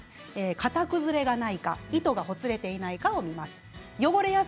型崩れがないか、糸がほつれていないか見ます。